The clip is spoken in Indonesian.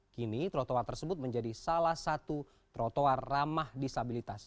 kini trotoar tersebut menjadi salah satu trotoar ramah disabilitas